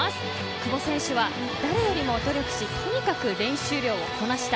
久保選手は、誰よりも努力しとにかく練習量をこなした。